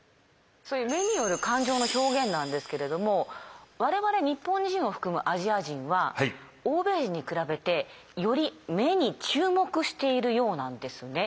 そういう目による感情の表現なんですけれども我々日本人を含むアジア人は欧米人に比べてより目に注目しているようなんですね。